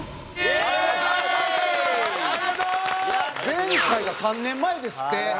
前回が３年前ですって。